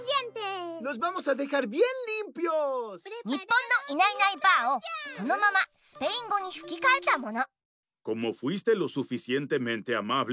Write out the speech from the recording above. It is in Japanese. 日本の「いないいないばあっ！」をそのままスペイン語にふきかえたもの。